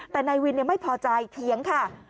แต่นายวินไม่พอใจเถียงค่ะ